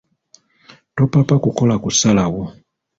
Topapa kukola kusalawo.